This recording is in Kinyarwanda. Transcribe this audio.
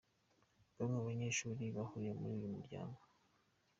Bamwe mu banyeshuri bahuriye muri uyu muryango.